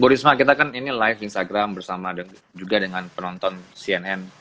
bu risma kita kan ini live instagram bersama juga dengan penonton cnn